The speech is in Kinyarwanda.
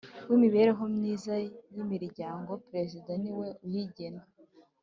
w imibereho myiza y imiryango Perezida niwe uyigena